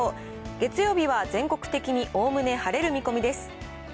月曜日は全国的におおむね晴れる見込みです。